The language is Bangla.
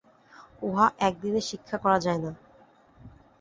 উহা একদিনে শিক্ষা করা যায় না।